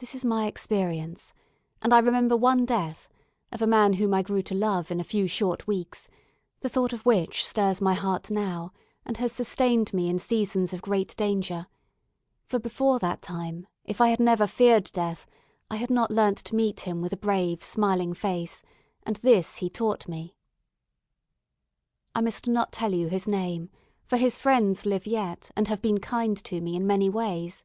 This is my experience; and I remember one death, of a man whom I grew to love in a few short weeks, the thought of which stirs my heart now, and has sustained me in seasons of great danger; for before that time, if I had never feared death, I had not learnt to meet him with a brave, smiling face, and this he taught me. I must not tell you his name, for his friends live yet, and have been kind to me in many ways.